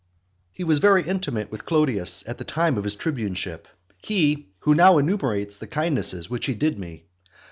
He was very intimate with Clodius at the time of his tribuneship; he, who now enumerates the kindnesses which he did me.